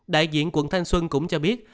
đại diện quận thanh xuân cũng cho biết